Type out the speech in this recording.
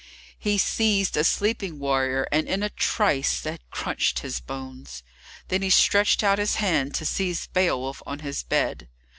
He seized a sleeping warrior, and in a trice had crunched his bones. Then he stretched out his hand to seize Beowulf on his bed.